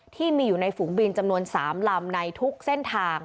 ที่มีอยู่ในฝูงบินจำนวน๓ลำในทุกเส้นทาง